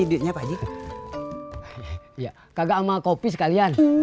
ini diknya pak jika ya kagak mau kopi sekalian